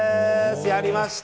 やりました！